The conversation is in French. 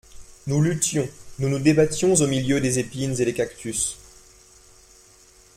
Nous luttions, nous nous débattions au milieu des épines et des cactus.